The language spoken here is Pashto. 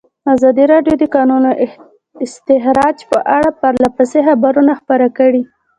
ازادي راډیو د د کانونو استخراج په اړه پرله پسې خبرونه خپاره کړي.